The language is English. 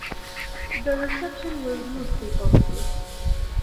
The reception was mostly positive.